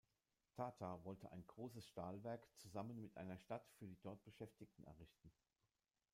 Tata wollte ein großes Stahlwerk zusammen mit einer Stadt für die dort Beschäftigten errichten.